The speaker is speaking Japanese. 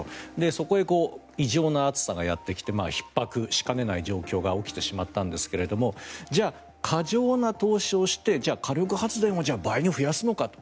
そこへ異常な暑さがやってきてひっ迫しかねない状況が起きてしまったんですがじゃあ、過剰な投資をして火力発電をじゃあ倍に増やすのかと。